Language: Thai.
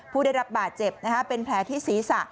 ผู้ได้รับบาดเจ็บเป็นแผลที่ศีรษะ